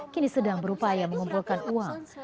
kini sedang berupaya mengumpulkan uang